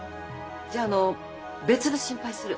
じゃああの別の心配する。